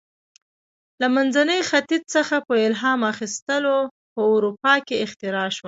له منځني ختیځ څخه په الهام اخیستو په اروپا کې اختراع شوه.